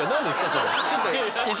それ。